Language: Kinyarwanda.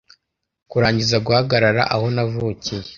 kurangiza guhagarara aho navukiye